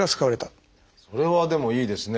それはでもいいですね。